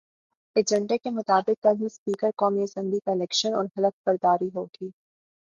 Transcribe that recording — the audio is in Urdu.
ایجنڈے کے مطابق کل ہی اسپیکر قومی اسمبلی کا الیکشن اور حلف برداری ہوگی۔